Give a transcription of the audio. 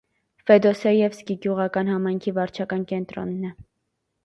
Ֆեդոսեևսկի գյուղական համայնքի վարչական կենտրոնն է։